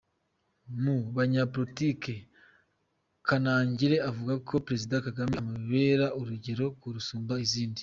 Mu banyapolitiki, Kanangire avuga ko Perezida Kagame amubera urugero rusumba izindi.